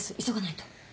急がないと。